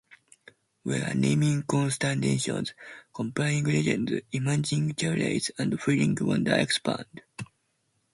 We're naming constellations, comparing legends, imagining journeys, and feeling wonder expand.